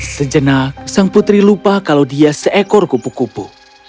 sejenak sang putri lupa kalau dia seekor kupu kupu